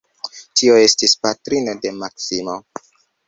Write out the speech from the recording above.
Tio estis patrino de Maksimo.